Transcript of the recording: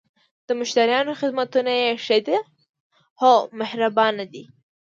د مشتریانو خدمتونه یی ښه ده؟ هو، مهربانه دي